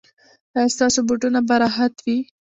ایا ستاسو بوټونه به راحت وي؟